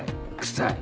臭い。